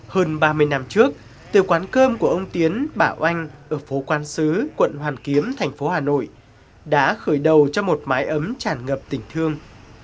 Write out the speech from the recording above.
hơn ba mươi năm trước từ quán cơm của ông tiến bảo anh ở phố quan xứ quận hoàn kiếm thành phố hà nội đã khởi đầu cho một mái ấm tràn ngập tình thương